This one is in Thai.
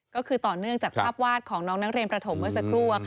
ก็คือต่อเนื่องจากภาพวาดของน้องนักเรียนประถมเมื่อสักครู่